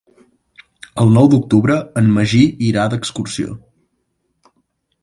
El nou d'octubre en Magí irà d'excursió.